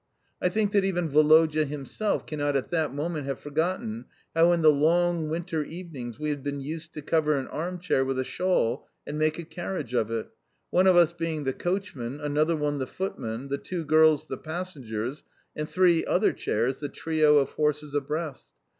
I think that even Woloda himself cannot at that moment have forgotten how, in the long winter evenings, we had been used to cover an arm chair with a shawl and make a carriage of it one of us being the coachman, another one the footman, the two girls the passengers, and three other chairs the trio of horses abreast.